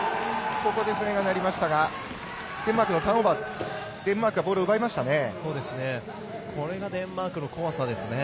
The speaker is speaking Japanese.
ここで笛が鳴りましたがデンマークのターンオーバーデンマークがボールをこれがデンマークの怖さです。